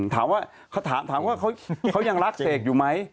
ถามว่าเขายังรักเสกอยู่ไหม